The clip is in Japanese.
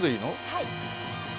はい。